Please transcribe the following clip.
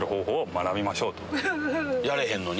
やれへんのに？